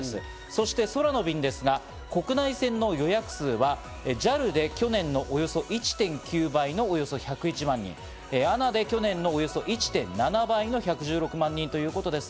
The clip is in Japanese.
そして国内線の予約数はＪＡＬで去年の１．９倍のおよそ１０１万人、ＡＮＡで去年のおよそ１．７倍の１１６万人です。